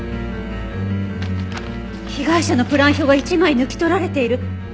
被害者のプラン表が１枚抜き取られている。